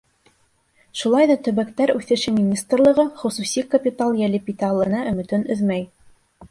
Шулай ҙа Төбәктәр үҫеше министрлығы хосуси капитал йәлеп итә алырына өмөтөн өҙмәй.